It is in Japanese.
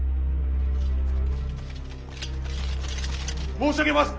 申し上げます！